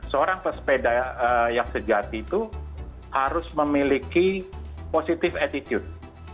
seorang pesepeda yang sejati itu harus memiliki positive attitude